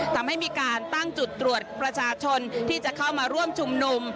ทำให้มีการตั้งจุดตรวจประชาชนที่จะเข้ามาร่วมชุมนุม